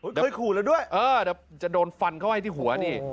โอ้เคยขู่แล้วด้วยเออจะโดนฟันเข้าให้ที่หัวนี่